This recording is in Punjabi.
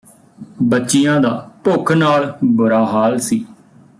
ਬੱਚੀਆਂ ਦਾ ਭੁੱਖ ਨਾਲ ਬੁਰਾ ਹਾਲ ਸੀ